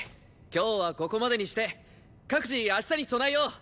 今日はここまでにして各自明日に備えよう。